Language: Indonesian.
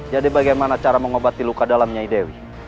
jadi bagaimana cara mengobati luka dalamnya dewi